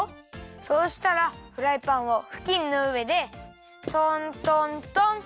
そうしたらフライパンをふきんのうえでトントントン。